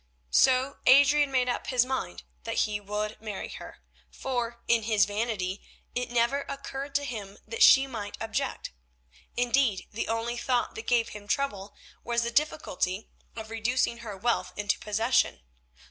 So Adrian made up his mind that he would marry her, for, in his vanity, it never occurred to him that she might object. Indeed, the only thought that gave him trouble was the difficulty of reducing her wealth into possession.